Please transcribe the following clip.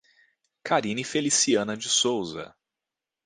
Carine Feliciana de Sousa